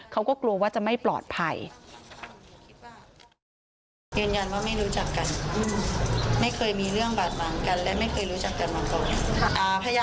เขาก็กลัวว่าจะไม่ปลอดภัย